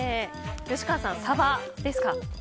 吉川さん、サバですか。